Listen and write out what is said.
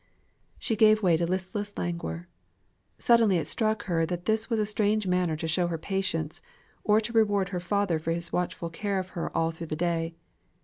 She gave way to listless languor. Suddenly it struck her that this was a strange manner to show her patience, or to reward her father for his watchful care of her all through the day.